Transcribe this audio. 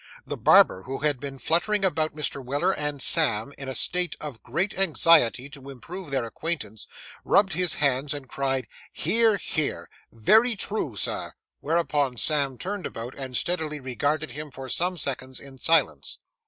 The barber, who had been fluttering about Mr. Weller and Sam in a state of great anxiety to improve their acquaintance, rubbed his hands and cried, 'Hear, hear! Very true, sir;' whereupon Sam turned about and steadily regarded him for some seconds in silence.